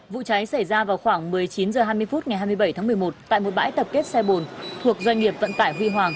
vụ cháy xảy ra vào khoảng một mươi chín h hai mươi phút ngày hai mươi bảy tháng một mươi một tại một bãi tập kết xe bồn thuộc doanh nghiệp vận tải huy hoàng